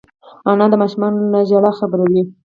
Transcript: انا د ماشومانو له ژړا خبروي